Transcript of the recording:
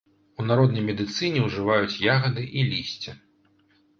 У народнай медыцыне ўжываюць ягады і лісце.